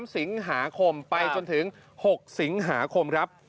๓สิงหาคมไปจนถึง๖สิงหาคมครับ